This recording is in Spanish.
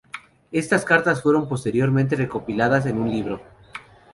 Estas cartas fueron posteriormente recopiladas en un libro.